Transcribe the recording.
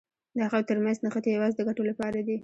د هغوی تر منځ نښتې یوازې د ګټو لپاره دي.